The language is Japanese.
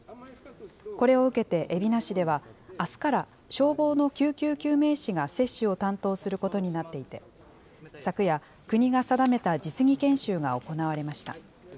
これを受けて、海老名市ではあすから消防の救急救命士が接種を担当することになっていて、昨夜、国が定めた実技研修が行われました。